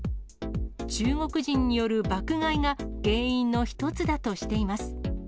中国人による爆買いが原因の一つだとしています。